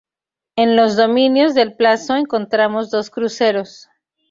En los dominios del pazo encontramos dos cruceros.